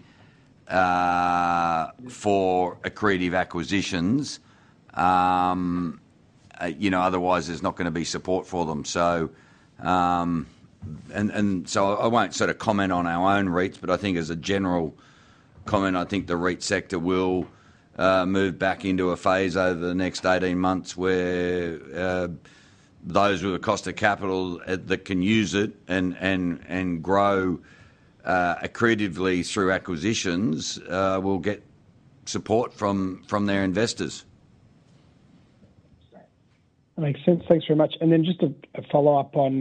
for accretive acquisitions, otherwise there's not going to be support for them. I won't sort of comment on our own REITs, but I think as a general comment, I think the REIT sector will move back into a phase over the next 18 months where those with a cost of capital that can use it and grow accretively through acquisitions will get support from their investors. That makes sense. Thanks very much. Just a follow up on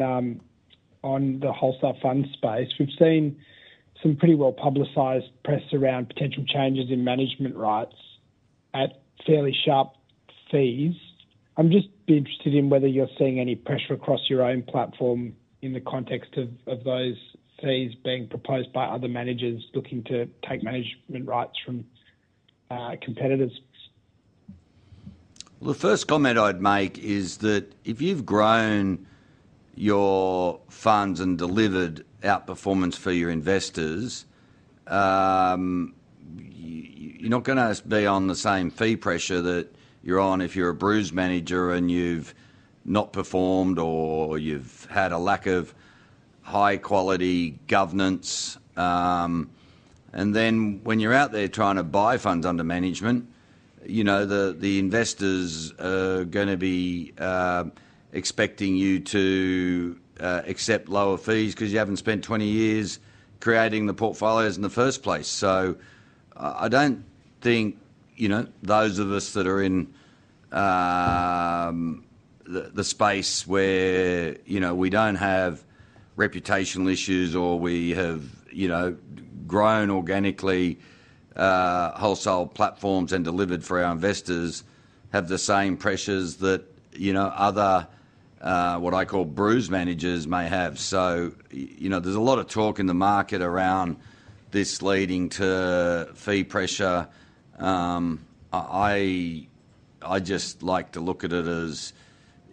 the wholesale fund space. We've seen some pretty well publicized press around potential changes in management rights at fairly sharp fees. I'm just interested in whether you're seeing any pressure across your own platform in the context of those fees being proposed by other managers looking to take management rights from competitors. The first comment I'd make is that if you've grown your funds and delivered outperformance for your investors, you're not going to be on the same fee pressure that you're on if you're a bruised manager and you've not performed or you've had a lack of high quality governance. When you're out there trying to buy funds under management, the investors are going to be expecting you to accept lower fees because you haven't spent 20 years creating the portfolios in the first place. I don't think those of us that are in the space where we don't have reputational issues or we have grown organically wholesale platforms and delivered for our investors have the same pressures that other, what I call, bruised managers may have. There's a lot of talk in the market around this leading to fee pressure. I just like to look at it as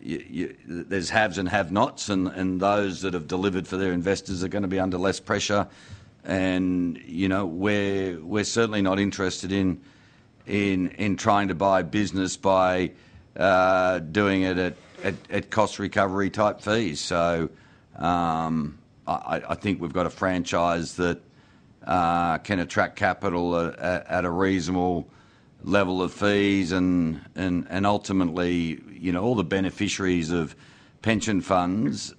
there's haves and have nots, and those that have delivered for their investors are going to be under less pressure. We're certainly not interested in trying to buy business by doing it at cost recovery type fees. I think we've got a franchise that can attract capital at a reasonable level of fees, and ultimately all the beneficiaries of pension funds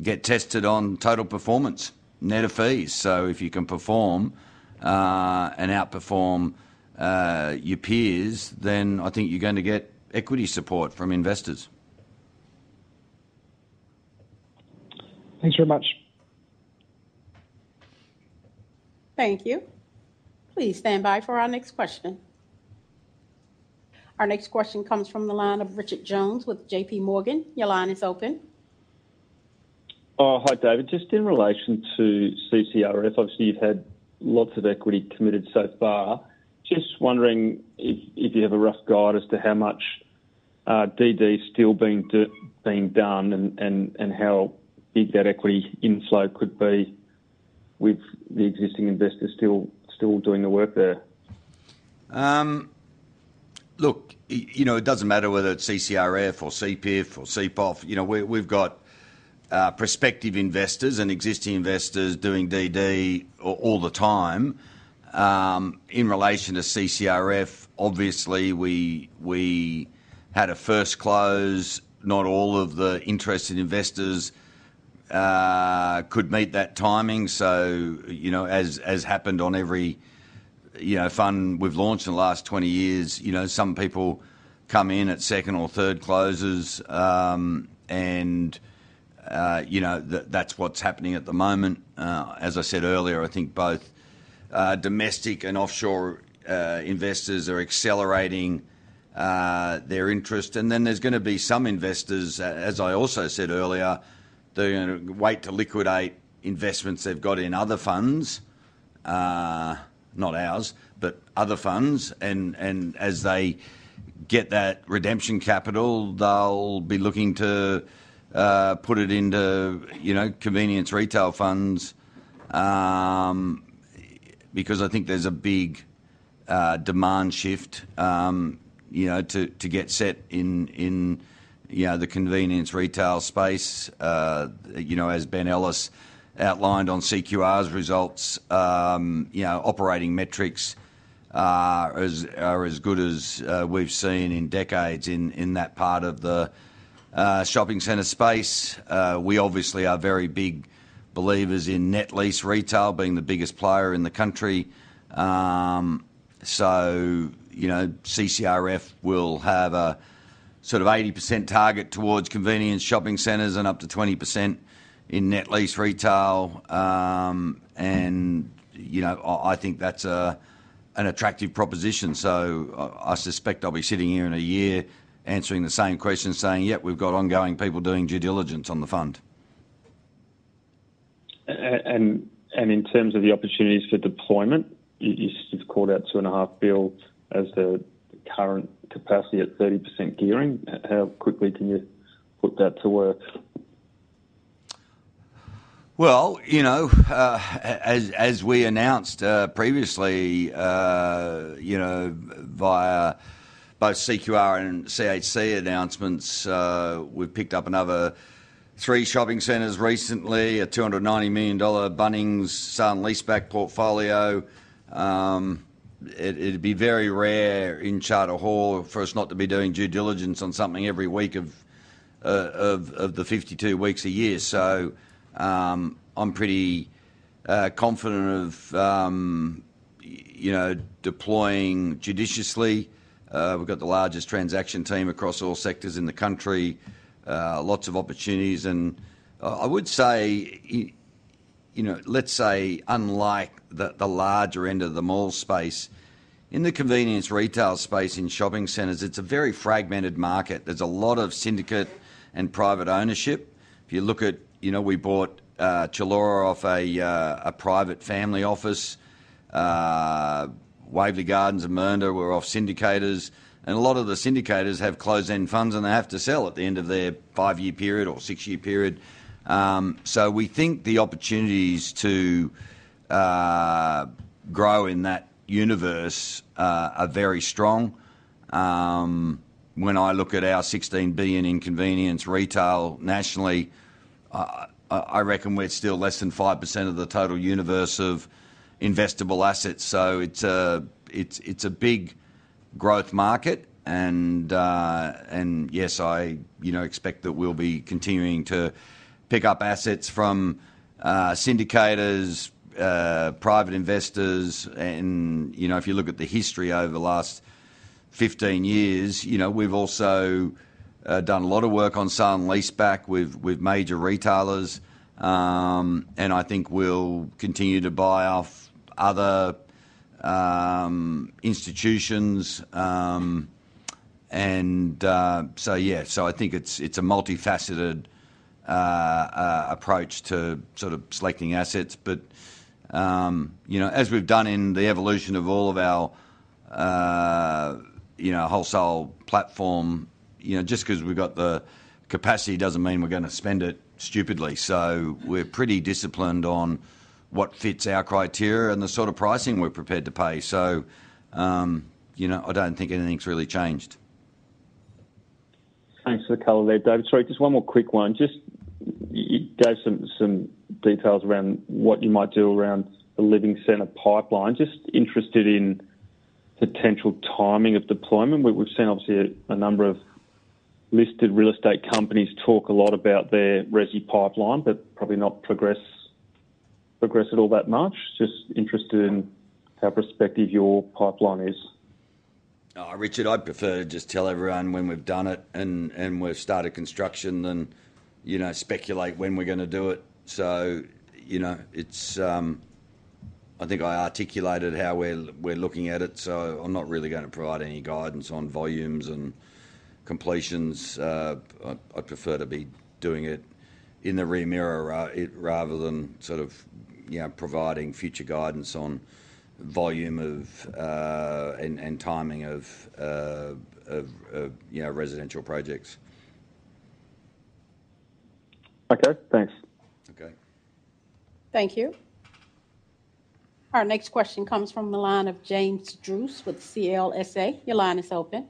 get tested on total performance, net of fees. If you can perform and outperform your peers, then I think you're going to get equity support from investors. Thanks very much. Thank you. Please stand by for our next question. Our next question comes from the line of Richard Jones with JPMorgan. Your line is open. Hi, David. Just in relation to CCRF, obviously you've had lots of equity committed so far. Just wondering if you have a rough guide as to how much DD still being done and how big that equity inflow could be with the existing investors still doing the work there. Look, it doesn't matter whether it's CCRF or CPIF or CPOF. We've got prospective investors and existing investors doing DD all the time. In relation to CCRF, obviously we had a first close. Not all of the interested investors could meet that timing. As happened on every fund we've launched in the last 20 years, some people come in at second or third closes and that's what's happening at the moment. As I said earlier, I think both domestic and offshore investors are accelerating their interest. There are going to be some investors, as I also said earlier, who are going to wait to liquidate investments they've got in other funds, not ours, but other funds. As they get that redemption capital, they'll be looking to put it into convenience retail funds. I think there's a big demand shift to get set in the convenience retail space. As Ben Ellis outlined on CQR's results, operating metrics are as good as we've seen in decades in that part of the shopping center space. We obviously are very big believers in net lease retail, being the biggest player in the country. CCRF will have a sort of 80% target towards convenience shopping centers and up to 20% in net lease retail. I think that's an attractive proposition. I suspect I'll be sitting here in a year answering the same questions, saying, yep, we've got ongoing people doing due diligence on the fund. In terms of the opportunities for deployment, you've called out $2.5 billion as the current capacity at 30% gearing. How quickly can you put that to work? As we announced previously via both CQR and CHC announcements, we've picked up another three shopping centers recently, a $290 million Bunnings leaseback portfolio. It'd be very rare in Charter Hall for us not to be doing due diligence on something every week of the 52 weeks a year. I'm pretty confident of deploying judiciously. We've got the largest transaction team across all sectors in the country. Lots of opportunities and I would say, unlike the larger end of the mall space, in the convenience retail space in shopping centers, it's a very fragmented market. There's a lot of syndicate and private ownership. If you look at, we bought Chullora off a private family office. Waverly Gardens and Mernda were off syndicators and a lot of the syndicators have closed end funds and they have to sell at the end of their five year period or six year period. We think the opportunities to grow in that universe are very strong. When I look at our $16 billion in convenience retail nationally, I reckon we're still less than 5% of the total universe of investable assets. It's a big growth market. Yes, I expect that we'll be continuing to pick up assets from syndicators, private investors and if you look at the history over the last 15 years, we've also done a lot of work on selling leaseback with major retailers and I think we'll continue to buy off other institutions. I think it's a multifaceted approach to selecting assets. As we've done in the evolution of all of our wholesale platform, just because we've got the capacity doesn't mean we're going to spend it stupidly. We're pretty disciplined on what fits our criteria and the sort of pricing we're prepared to pay. I don't think anything's really changed. Thanks for the color there, David. Sorry, just one more quick one. You gave some details around what you might do around the Living center pipeline. Just interested in potential timing of deployment. We've seen obviously a number of listed real estate companies talk a lot about their resi pipeline but probably not progress it all that much. Just interested in how prospective your pipeline is. Richard I'd prefer to just tell everyone when we've done it and we've started construction than, you know, speculate when we're going to do it. I think I articulated how we're looking at it, so I'm not really going to provide any guidance on volumes and completions. I'd prefer to be doing it in the rear mirror rather than sort of providing future guidance on volume of and timing of residential projects. Okay, thanks. Okay, thank you. Our next question comes from the line of James Druce with CLSA. Your line is open.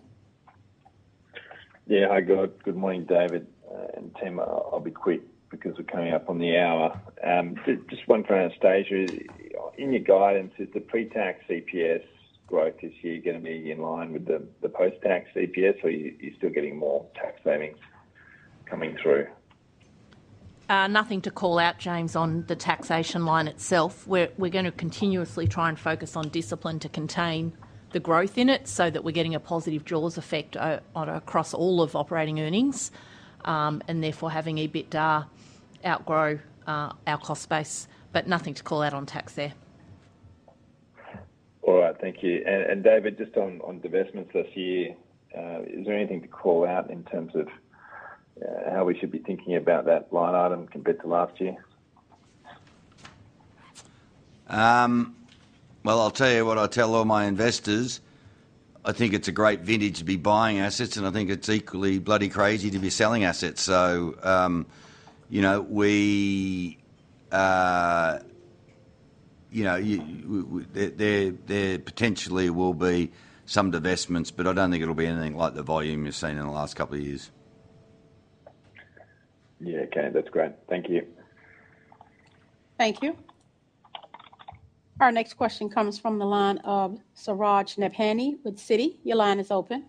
Yeah, hi, good morning David and Tim. I'll be quick because we're coming up on the hour. Just one for Anastasia. In your guidance, is the pre-tax EPS growth this year going to be in line with the post-tax EPS or you're still getting more tax savings coming through? Nothing to call out, James. On the taxation line itself, we're going to continuously try and focus on discipline to contain the growth in it so that we're getting a positive jaws effect across all of operating earnings and therefore having EBITDA outgrow our cost base. Nothing to call out on tax there. All right, thank you. David, just on divestments this year, is there anything to call out in terms of how we should be thinking about that line item compared to last year? I tell you what I tell all my investors. I think it's a great vintage to be buying assets, and I think it's equally bloody crazy to be selling assets. You know, there potentially will be some divestments, but I don't think it'll be anything like the volume you've seen in the last couple of years. Yeah, okay, that's great. Thank you. Thank you. Our next question comes from the line of Suraj Nebhani with Citi. Your line is open.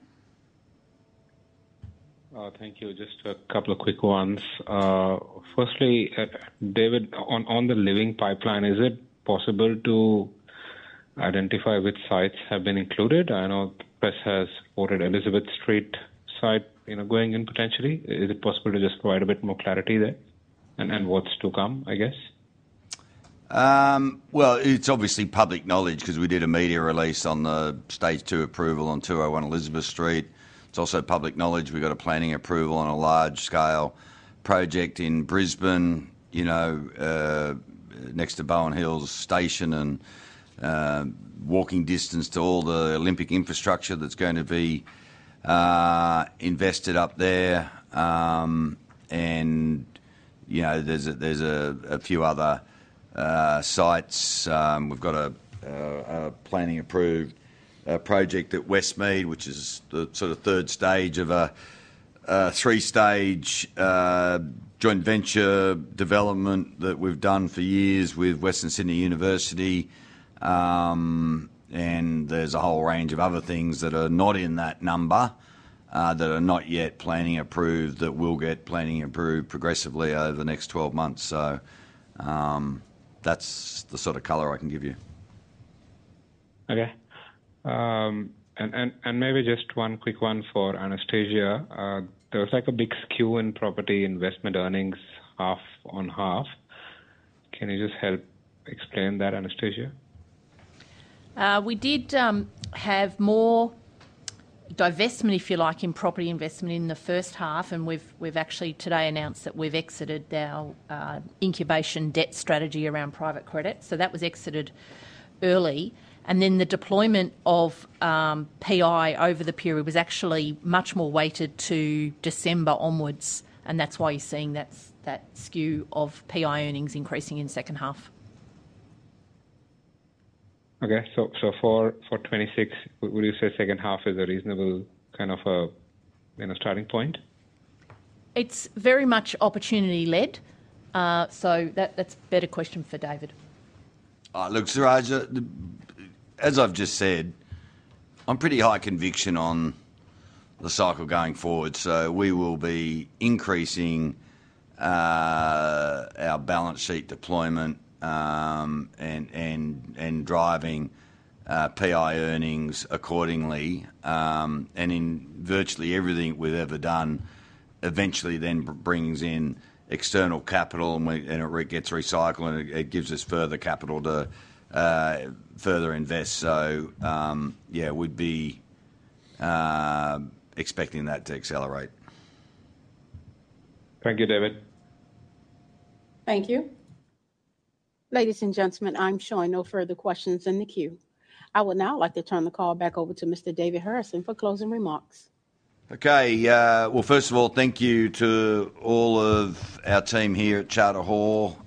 Thank you. Just a couple of quick ones. Firstly, David, on the Living pipeline, is it possible to identify which sites have been included? I know press has noted Elizabeth Street site, you know, going in potentially. Is it possible to just provide a bit more clarity there and what's to come? I guess. It's obviously public knowledge because we did a media release on the stage two approval on 201 Elizabeth Street. It's also public knowledge we've got a planning approval on a large scale project in Brisbane, next to Bowen Hills Station and walking distance to all the Olympic infrastructure that's going to be invested up there. There's a few other sites. We've got a planning approved project at Westmead, which is the third stage of a three stage joint venture development that we've done for years with Western Sydney University, and there's a whole range of other things that are not in that number that are not yet planning approved, that will get planning approved progressively over the next 12 months. That's the sort of color I can give you. Okay, maybe just one quick one for Anastasia. There was a big skew in property investment earnings, half on half. Can you just help explain that, Anastasia? We did have more divestment, if you like, in property investment in the first half, and we've actually today announced that we've exited our incubation debt strategy around private credit. That was exited early, and the deployment of PI over the period was actually much more weighted to December onwards. That's why you're seeing that skew of PI earnings increasing in the second half. Okay, for 2026, would you say second half is a reasonable kind of starting point? It's very much opportunity led. That's a better question for David. Look, Suraj, as I've just said, I'm pretty high conviction on the cycle going forward. We will be increasing our balance sheet deployment and driving PI earnings accordingly. Virtually everything we've ever done eventually then brings in external capital and it gets recycled and it gives us further capital to further invest. I would be expecting that to accelerate. Thank you, David. Thank you, ladies and gentlemen. I'm showing no further questions in the queue. I would now like to turn the call back over to Mr. David Harrison for closing remarks. Okay, first of all, thank you to all of our team here at Charter Hall.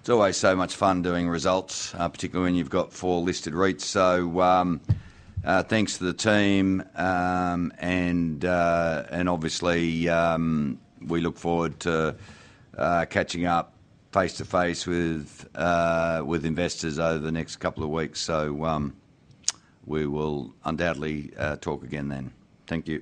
It's always so much fun doing results, particularly when you've got four listed REITs. Thanks to the team, and obviously we look forward to catching up face to face with investors over the next couple of weeks. We will undoubtedly talk again then. Thank you.